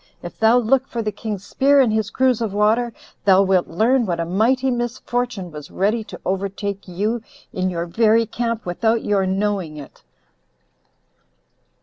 If thou look for the king's spear and his cruse of water, thou wilt learn what a mighty misfortune was ready to overtake you in your very camp without your knowing it."